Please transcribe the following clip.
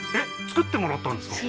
作ってもらったんですか？